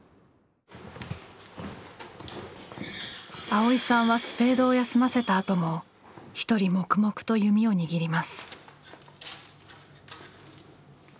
蒼依さんはスペードを休ませたあとも一人黙々と弓を握ります。